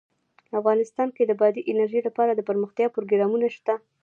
افغانستان کې د بادي انرژي لپاره دپرمختیا پروګرامونه شته.